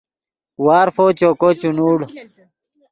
وارفو چوکو چے نوڑ